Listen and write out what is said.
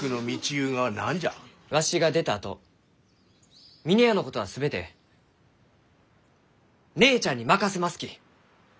わしが出たあと峰屋のことは全て姉ちゃんに任せますき。